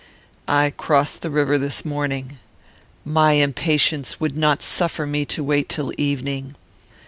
"I crossed the river this morning. My impatience would not suffer me to wait till evening.